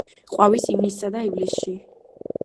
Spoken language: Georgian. ყვავის ივნისსა და ივლისში.